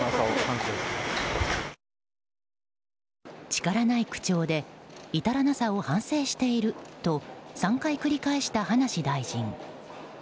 力ない口調で至らなさを反省していると３回繰り返した葉梨大臣。